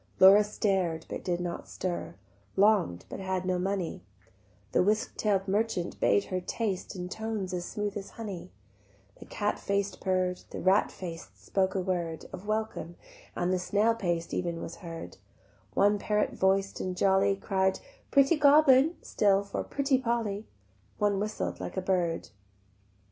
Laura stared but did not stir, Long'd but had no money: The whisk tail'd merchant bade her taste In tones as smooth as honey, The cat faced purr'd, The rat faced spoke a word Of welcome, and the snail paced even was heard; One parrot voiced and jolly Cried "Pretty Goblin" still for "Pretty Polly;" One whistled like a bird.